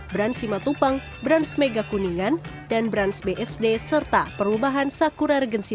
brand simatupang brand megakuningan dan brand bsd serta perumahan sakura regensi tiga